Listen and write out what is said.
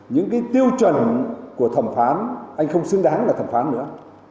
những cái tiêu chuẩn của thẩm phán anh không xứng đáng là thẩm phán nữa